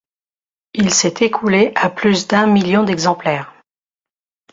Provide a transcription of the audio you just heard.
Il s'est écoulé à plus d'un million d'exemplaires.